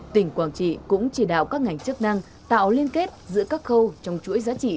tỉnh quảng trị cũng chỉ đạo các ngành chức năng tạo liên kết giữa các khâu trong chuỗi giá trị